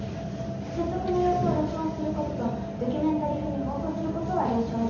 説得の様子を録音する事とドキュメンタリー風に放送する事は了承を得てます。